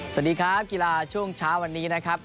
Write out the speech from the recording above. สวัสดีครับกีฬาช่วงเช้าวันนี้นะครับ